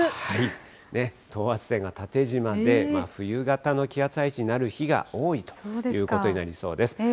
等圧線が縦じまで、冬型の気圧配置になる日が多いということになりそうです。